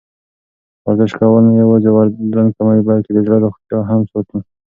ورزش کول نه یوازې وزن کموي، بلکې د زړه روغتیا هم ساتي.